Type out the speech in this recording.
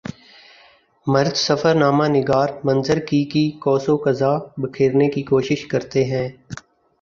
مرد سفر نامہ نگار منظر کی کی قوس و قزح بکھیرنے کی کوشش کرتے ہیں